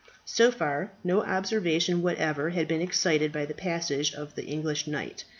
So far no observation whatever had been excited by the passage of the English knight.